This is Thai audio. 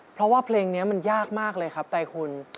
เพราะว่าเพลงนี้มันยากมากเลยครับไตรคุณ